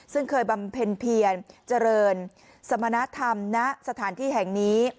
ซึ่งเคยบำเพ็ญเพียรเจริญสมณธรรมณสถานที่แห่งนี้